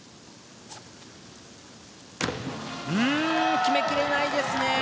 決めきれないですね。